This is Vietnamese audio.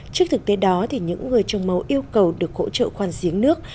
trước thực tế đó những người trồng màu yêu cầu được hỗ trợ khoan giếng nước